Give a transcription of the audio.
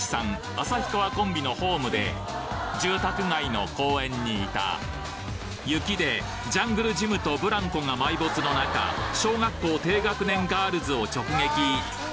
旭川コンビのホームで住宅街の公園にいた雪でジャングルジムとブランコが埋没の中おお痛い痛い。